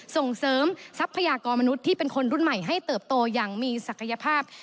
ส่งเสริมทรัพยากรมนุษย์ที่เป็นคนรุ่นใหม่ให้เติบโตอย่างมีศักยภาพ